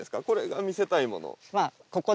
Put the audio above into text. これが見せたいもの？